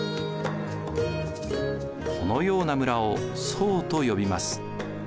このような村を惣と呼びます。